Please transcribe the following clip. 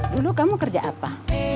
dulu kamu kerja apa